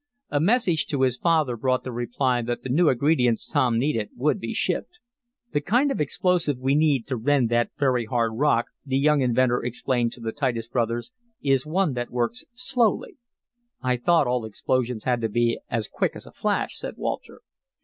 A message to his father brought the reply that the new ingredients Tom needed would be shipped. "The kind of explosive we need to rend that very hard rock," the young inventor explained to the Titus brothers, "is one that works slowly." "I thought all explosions had to be as quick as a flash," said Walter.